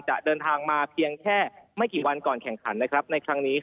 จะเดินทางมาเพียงแค่ไม่กี่วันก่อนแข่งขันนะครับในครั้งนี้